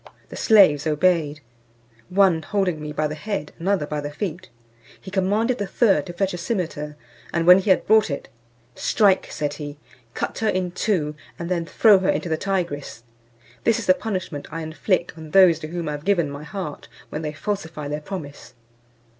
The slaves obeyed, one holding me by the head, another by the feet; he commanded the third to fetch a cimeter, and when he had brought it, "Strike," said he, "cut her in two, and then throw her into the Tygris. This is the punishment I inflict on those to whom I have given my heart, when they falsify their promise."